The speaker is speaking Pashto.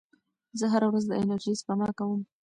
زه هره ورځ د انرژۍ سپما کوم.